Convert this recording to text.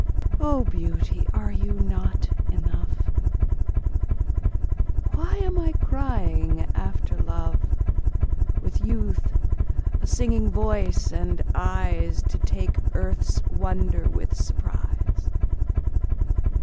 O beauty, are you not enough? Why am I crying after love, With youth, a singing voice, and eyesTo take earth's wonder with surprise?